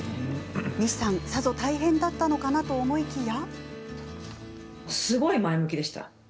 西さんさぞ大変だったろうと思いきや。